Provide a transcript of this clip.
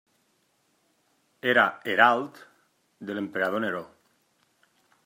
Era herald de l'emperador Neró.